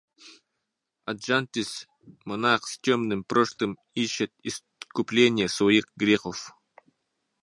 Аджантис, монах с тёмным прошлым, ищет искупления своих грехов.